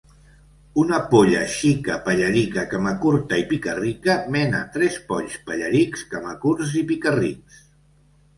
Una polla xica, pellerica, camacurta i picarrica, mena tres polls pellerics camacurts i picarrics.